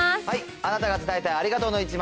あなたが伝えたいありがとうの１枚。